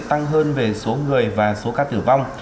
tăng hơn về số người và số ca tử vong